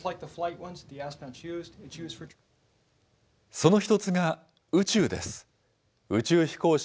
その一つが、宇宙です。